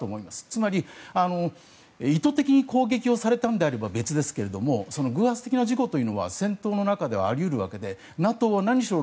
つまり、意図的に攻撃をされたのであれば別ですけれども偶発的な事故というのは戦闘の中ではあり得るわけでＮＡＴＯは何しろ